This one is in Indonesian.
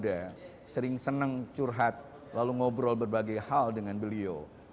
dan beliau juga sering senang curhat lalu ngobrol berbagai hal dengan beliau